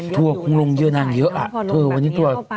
ทัวร์คงไปลงกันเยอะอยู่ในสุดท้ายนะครับพอลงแบบนี้เข้าไปทัวร์คงลงเยอะนั่งเยอะ